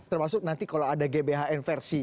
termasuk nanti kalau ada gbhn versi